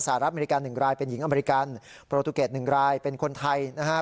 สหรัฐอเมริกันหนึ่งรายเป็นหญิงอเมริกันโปรตุเกศหนึ่งรายเป็นคนไทยนะฮะ